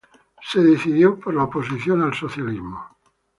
Se decidió por la oposición al socialismo.